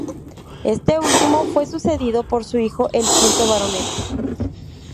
Este último fue sucedido por su hijo, el quinto baronet.